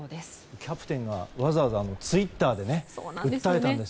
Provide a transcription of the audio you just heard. キャプテンがわざわざツイッターで訴えたんですよね。